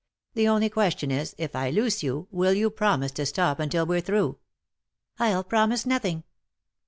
The only question is, if I loose you, will you promise to stop until we're through ?" "I'll promise nothing."